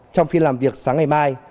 trong phiên làm việc sáng ngày mai